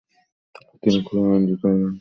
তিনি খুবই আনন্দিত হলেন বলে মনে হল।